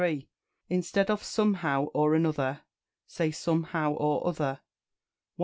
Instead of "Somehow or another," say "Somehow or other." 154.